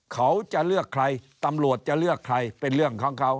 เขาจะเลือกใครตำรวจจะเลือกใครเป็นเรื่องของเขา